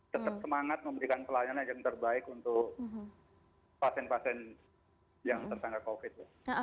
tetap semangat memberikan pelayanan yang terbaik untuk pasien pasien yang tersanggah covid